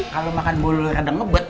kalau makan bulu rendang ngebet